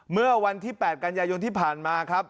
เมื่อวันที่๘กันยายนที่ผ่านมาครับ